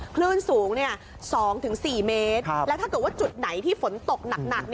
คลื่นสูง๒๔เมตรแล้วถ้าเกิดว่าจุดไหนที่ฝนตกหนัก